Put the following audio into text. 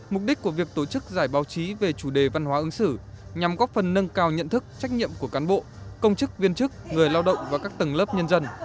mục đích của việc tổ chức giải báo chí về chủ đề văn hóa ứng xử nhằm góp phần nâng cao nhận thức trách nhiệm của cán bộ công chức viên chức người lao động và các tầng lớp nhân dân